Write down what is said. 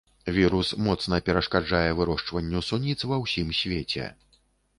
Вірус моцна перашкаджае вырошчванню суніц ва ўсім свеце.